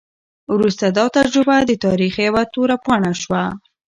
وروسته دا تجربه د تاریخ یوه توره پاڼه شوه.